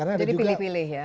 jadi pilih pilih ya